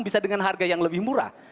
bisa dengan harga yang lebih murah